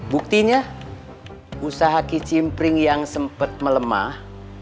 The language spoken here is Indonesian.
buktinya usaha kicimpring yang sempat melemah